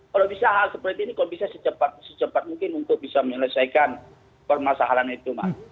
kalau bisa hal seperti ini kok bisa secepat mungkin untuk bisa menyelesaikan permasalahan itu mas